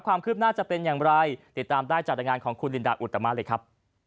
ความคืบหน้าจะเป็นอย่างไรติดตามได้จากรายงานของคุณลินดาอุตมะเลยครับ